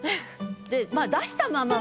でまあ「出したまま」